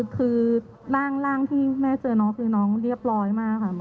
คือร่างที่แม่เจอน้องคือน้องเรียบร้อยมากค่ะ